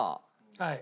はい。